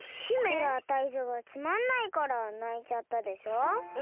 ほらタイゾウがつまんないからないちゃったでしょう。